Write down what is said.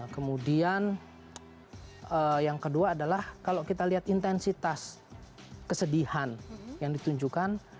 kemudian yang kedua adalah kalau kita lihat intensitas kesedihan yang ditunjukkan